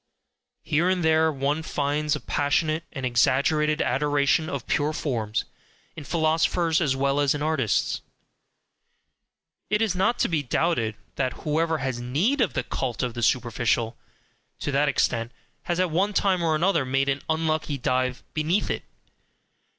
Here and there one finds a passionate and exaggerated adoration of "pure forms" in philosophers as well as in artists: it is not to be doubted that whoever has NEED of the cult of the superficial to that extent, has at one time or another made an unlucky dive BENEATH it.